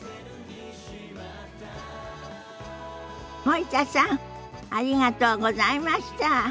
森田さんありがとうございました。